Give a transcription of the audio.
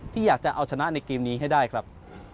ที่อยากจะเอาชนะในเกมนี้ให้ได้ครับ